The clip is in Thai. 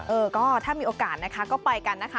เออถ้ามีโอกาสก็ไปกันนะค่ะ